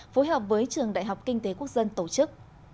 phối hợp với trường đại học kinh tế quốc dân tổ chức